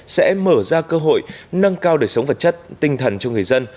sẽ mở ra cơ hội nâng cao đời sống vật chất tinh thần cho người dân